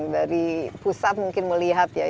dari pusat mungkin melihat